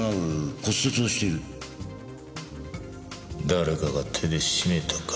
誰かが手で絞めたか。